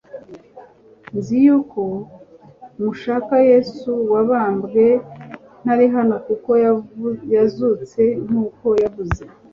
nzi yuko mushaka Yesu wabambwe, ntari hano kuko yazutse nk'uko yavuze.